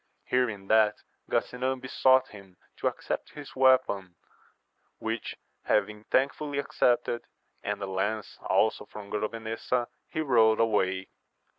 Hearing that, Gasinan besought him to accept his weapon; which, having thankftdly ac cepted, and a lance also from Grovenesa, he rode away.